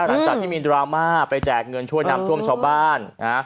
หลังจากที่มีดราม่าไปแจกเงินช่วยน้ำท่วมชาวบ้านนะ